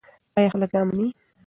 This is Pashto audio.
ایا خلک دا مني؟